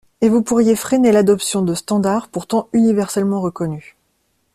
et vous pourriez freiner l'adoption de standards pourtant universellement reconnus.